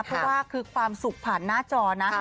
เพราะว่าคือความสุขผ่านหน้าจอนะ